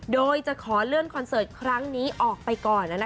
โดยไปเลื่อนของในคอนเซิร์ตออกไปก่อน